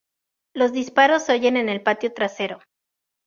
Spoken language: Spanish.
Los disparos se oyen en el patio trasero.